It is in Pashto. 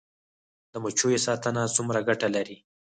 د مچیو ساتنه څومره ګټه لري؟